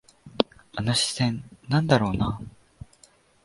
あの視線、なんだろうな。